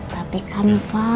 tapi kan pak